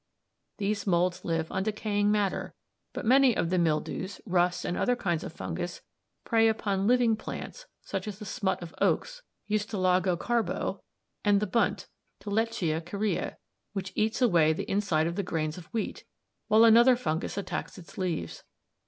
These moulds live on decaying matter, but many of the mildews, rusts, and other kinds of fungus, prey upon living plants such as the smut of oats (Ustilago carbo), and the bunt (Tilletia caria) which eats away the inside of the grains of wheat, while another fungus attacks its leaves.